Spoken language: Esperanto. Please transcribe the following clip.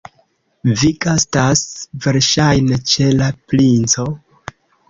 Vi gastas, verŝajne, ĉe la princo?